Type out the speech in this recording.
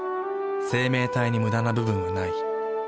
生命体にムダな部分はない。